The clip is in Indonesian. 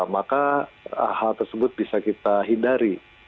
maka hal tersebut bisa kita hindari